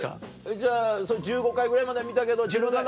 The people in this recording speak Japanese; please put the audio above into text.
じゃあ１５回ぐらいまでは見たけど自分の中で。